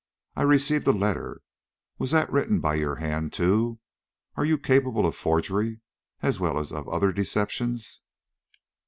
I received a letter was that written by your hand too? Are you capable of forgery as well as of other deceptions?"